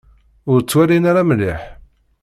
Ur ttwalin ara mliḥ.